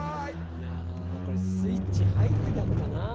いやこれスイッチ入ってたのかなぁ？